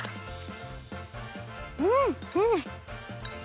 うん！